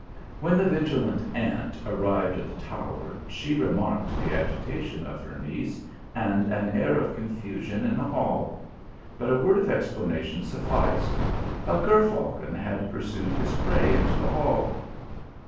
When the vigilant aunt arrived at the tower, she remarked the agitation of her niece, and an air of confusion in the hall ; but a word of explanation sufficed. " A ger falcon had pursued his prey into the hall."